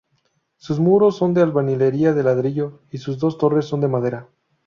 Sus muros son de albañilería de ladrillo, y sus dos torres son de madera.